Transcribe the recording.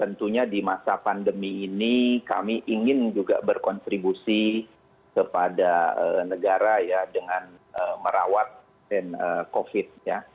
tentunya di masa pandemi ini kami ingin juga berkontribusi kepada negara ya dengan merawat covid